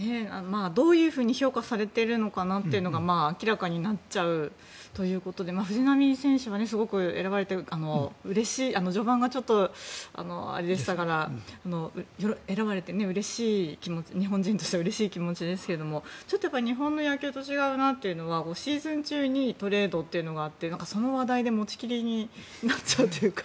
どういうふうに評価されているのかというのが明らかになっちゃうということで藤浪選手も序盤がちょっとあれでしたから選ばれて日本人としてはうれしい気持ちですけれどもちょっと日本の野球と違うなというのは、シーズン中にトレードがあってその話題で持ちきりになっちゃうというか。